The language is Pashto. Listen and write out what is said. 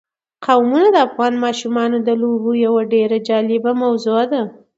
قومونه د افغان ماشومانو د لوبو یوه ډېره جالبه موضوع ده.